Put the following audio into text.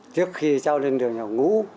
trước khi trao lên đường nhập ngũ